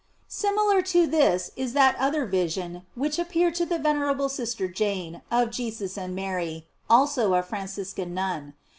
"* Similar to this is that other vision which appeared to the venerable sister Jane, of Jesus and Mary, also a Franciscan nun.